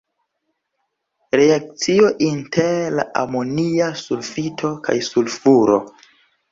Reakcio inter la amonia sulfito kaj sulfuro.